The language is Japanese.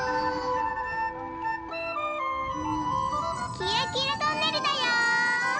きらきらトンネルだよ。